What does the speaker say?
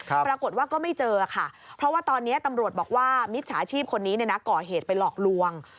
ปรากฏว่าก็ไม่เจอค่ะเพราะว่าตอนนี้ตำรวจบอกว่ามิจฉาชีพคนนี้ก่อเหตุไปหลอกลวง